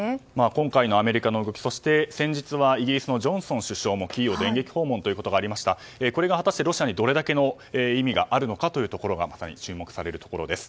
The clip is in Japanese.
今回のアメリカの動きそして先日、イギリスのジョンソン首相もキーウを電撃訪問がありこれが果たして、ロシアにどれだけの意味があるのかがまさに注目されるところです。